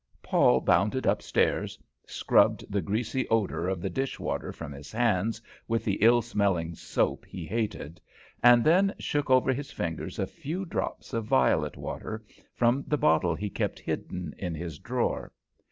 Paul bounded upstairs, scrubbed the greasy odour of the dish water from his hands with the ill smelling soap he hated, and then shook over his fingers a few drops of violet water from the bottle he kept hidden in his drawer.